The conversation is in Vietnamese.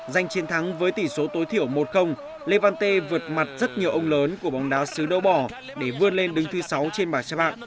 giành chiến thắng với tỷ số tối thiểu một levante vượt mặt rất nhiều ông lớn của bóng đá sứ đấu bỏ để vươn lên đứng thứ sáu trên bảng xe bạc